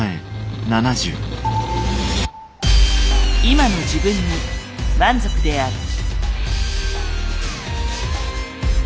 今の自分に満足である。